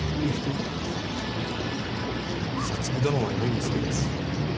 皐月殿はよい娘です。